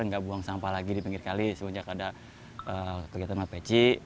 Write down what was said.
nggak buang sampah lagi di pinggir kali semenjak ada kegiatan mapeci